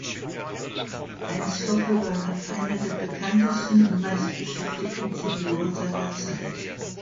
Heinz Hoppe war einer der bekanntesten und meistbeschäftigten Tenöre seiner Zeit.